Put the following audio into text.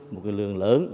một cái lượng lớn